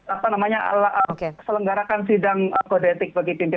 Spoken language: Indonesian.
apa namanya selenggarakan sidang kode etik bagi pimpinan